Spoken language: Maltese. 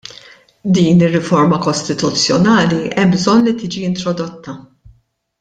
Din ir-riforma kostituzzjonali hemm bżonn li tiġi introdotta.